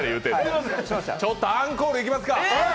ちょっとアンコールいきますか。